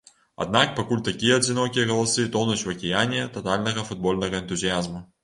Аднак пакуль такія адзінокія галасы тонуць у акіяне татальнага футбольнага энтузіязму.